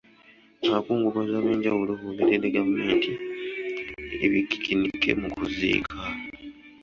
Abakungubazi ab’enjawulo boogeredde gavumenti ebikikinike mu kuziika.